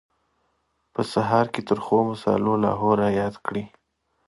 په سهار کې ترخو مسالو لاهور را یاد کړو.